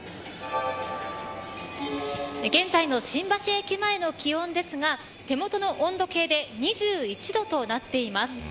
現在の新橋駅前の気温ですが手元の温度計で２１度となっています。